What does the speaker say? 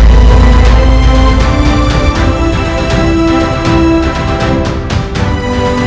soalnya aku ingin tejite mulia